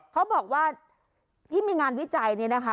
เขาบอกว่าที่มีงานวิจัยเนี่ยนะคะ